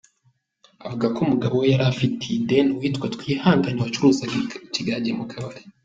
Avuga ko umugabo we yari afitiye ideni uwitwa Twihangane wacuruzaga ikigage mu kabari.